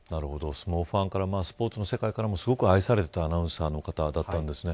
相撲ファンからスポーツの世界からも愛されていたアナウンサーの方だったんですね。